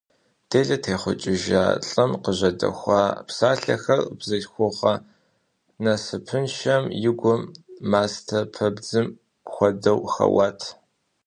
Делэ техъукӏыжа лӏым къыжьэдэхуа псалъэхэр бзылъхугъэ насыпыншэм и гум, мастэпэбдзым хуэдэу, хэуат.